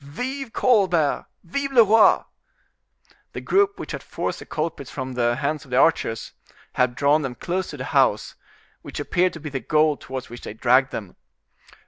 "Vive Colbert!" "Vive le roi!" The group which had forced the culprits from the hands of the archers had drawn close to the house, which appeared to be the goal towards which they dragged them.